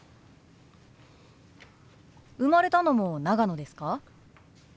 生まれたのも長野ですか？